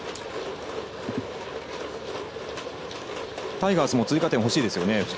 タイガースも追加点ほしいですよね。